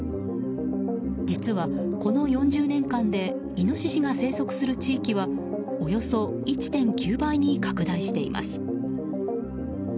実はこの４０年間でイノシシが生息する地域はおよそ１．９倍に拡大しています。